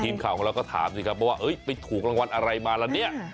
ทีมข่าวของเราก็ถามสิครับว่าไปถูกรางวัลอะไรมาละเนี่ย